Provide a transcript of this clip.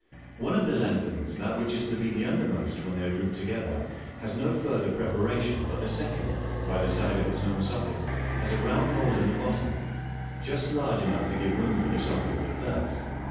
One of the lan terns, viz., that which is to be undermost when they are grouped together, has no further preparation j but the second, by the side of its own socket, has a round hole in the bottom, just large enoueh to give room for the socket of the first.